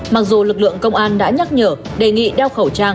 mặc dù lực lượng công an đã nhắc nhở